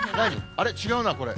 あれ、違うな、これ。